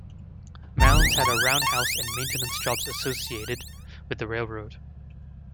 Mounds had a roundhouse and maintenance jobs associated with the railroad.